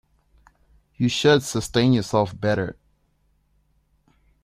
You should sustain yourself better.